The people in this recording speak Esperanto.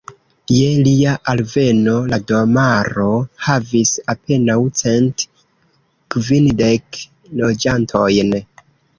Je lia alveno, la domaro havis apenaŭ cent kvindek loĝantojn.